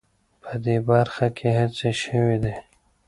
په دې برخه کې هڅې شوې دي